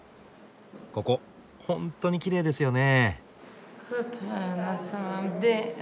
ここほんとにきれいですよね。